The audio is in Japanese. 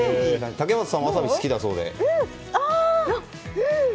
竹俣さん、わさび好きだそうで。